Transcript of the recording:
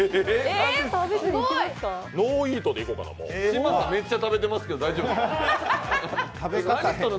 嶋佐、めっちゃ食べてますけど大丈夫ですか。